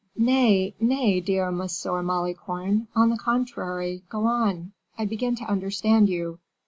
"Nay, nay, dear Monsieur Malicorne; on the contrary, go on I begin to understand you.